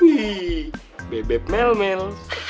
wih bebek melmel